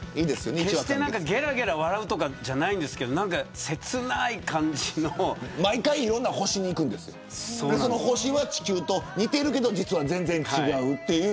げらげら笑うとかじゃないんですけど毎回いろんな星に行ってその星は地球と似ているけど全然違うと。